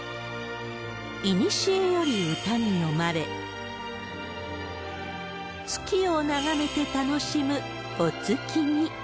いにしえより歌に詠まれ、月を眺めて楽しむお月見。